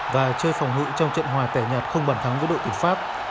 và chơi phòng hữu trong trận hòa tẻ nhạt không bản thắng với đội tuyển pháp